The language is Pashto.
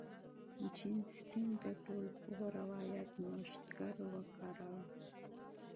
جین اسټن د ټولپوه روایت نوښتګر وکاراوه.